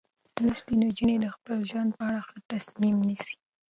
لوستې نجونې د خپل ژوند په اړه ښه تصمیم نیسي.